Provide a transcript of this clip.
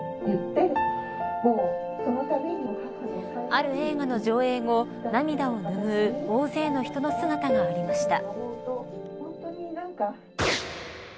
ある映画の上映後涙をぬぐう大勢の人の姿がありました。